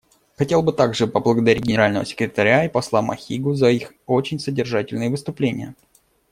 Хотел бы также поблагодарить Генерального секретаря и посла Махигу за их очень содержательные выступления.